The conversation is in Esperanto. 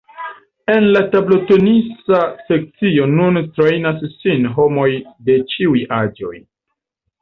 En la tablotenisa sekcio nun trejnas sin homoj de ĉiuj aĝoj.